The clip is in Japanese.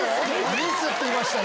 「ミス」って言いましたね。